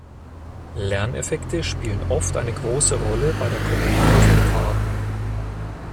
Lerneffekte spielen oft eine große Rolle bei der Korrektur von Pfaden.